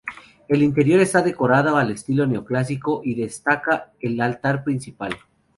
El interior está decorado al estilo neoclásico, y destaca el altar principal.